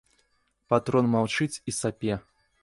Патрон маўчыць і сапе.